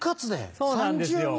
そうなんですよ。